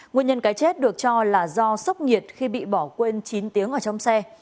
nguyên nhân cái chết được cho là do sốc nhiệt khi bị bỏ quên chín tiếng ở trong xe